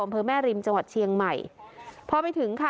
อำเภอแม่ริมจังหวัดเชียงใหม่พอไปถึงค่ะ